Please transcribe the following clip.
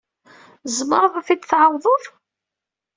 Tzemreḍ ad t-id-tɛawdeḍ?